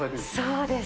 そうです。